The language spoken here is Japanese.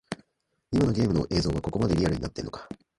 今のゲームの映像はここまでリアルになってんのか